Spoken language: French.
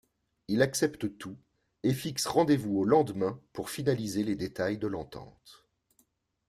Il accepte tout et fixe rendez-vous au lendemain pour finaliser les détails de l'entente.